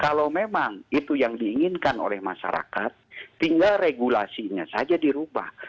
kalau memang itu yang diinginkan oleh masyarakat tinggal regulasinya saja dirubah